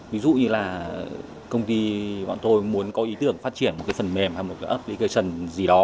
ví dụ như là công ty bọn tôi muốn có ý tưởng phát triển một cái phần mềm hay một cái app ekation gì đó